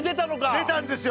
出たんですよ！